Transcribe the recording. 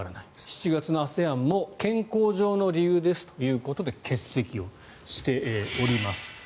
７月のＡＳＥＡＮも健康上の理由ですということで欠席しております。